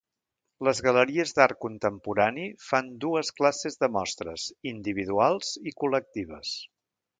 Les galeries d'art contemporani fan dues classes de mostres: individuals i col·lectives.